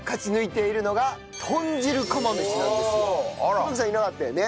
小峠さんいなかったよね。